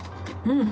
うん！